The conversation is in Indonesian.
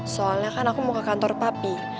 soalnya kan aku mau ke kantor papi